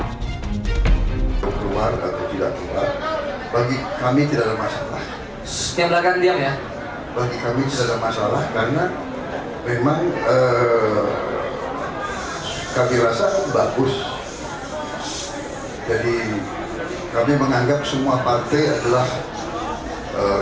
keluar atau tidak keluar bagi kami tidak ada masalah